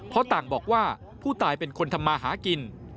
เพราะต่างบอกว่าผู้ตายเป็นคนทำมาหากิน